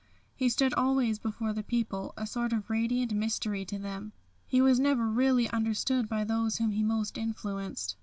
He stood always before the people a sort of radiant mystery to them. He was never really understood by those whom he most influenced.